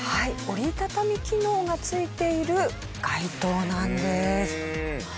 折り畳み機能が付いている街灯なんです。